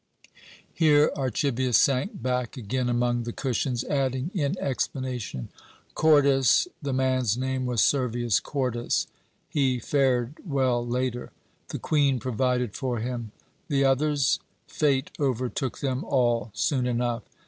Here Archibius sank back again among the cushions, adding in explanation: "Cordus, the man's name was Servius Cordus. He fared well later. The Queen provided for him. The others? Fate overtook them all soon enough.